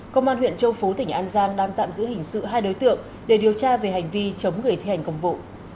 công an huyện châu phú tỉnh an giang đang tạm giữ hình sự hai đối tượng để điều tra về hành vi chống người thi hành công vụ